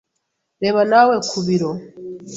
Reba nawe ku biro.